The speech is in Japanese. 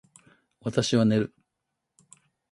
私は寝る